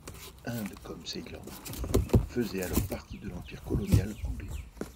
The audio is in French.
Inde comme Ceylan faisaient alors partie de l’empire colonial anglais.